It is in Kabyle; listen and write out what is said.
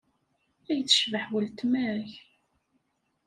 Ay tecbeḥ weltma-k!